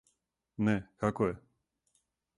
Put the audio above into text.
Не, како је?